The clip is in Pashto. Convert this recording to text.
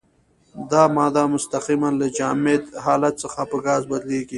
دا ماده مستقیماً له جامد حالت څخه په ګاز بدلیږي.